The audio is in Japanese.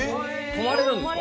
泊まれるんですか？